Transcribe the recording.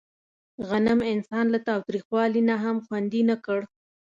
غنم انسان له تاوتریخوالي نه هم خوندي نه کړ.